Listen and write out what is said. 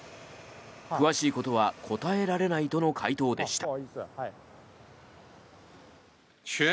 詳しいことは答えられないとの回答でした。